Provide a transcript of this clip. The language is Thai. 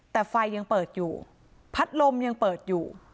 แต่ไฟยังเปิดอยู่พัดลมยังเปิดอยู่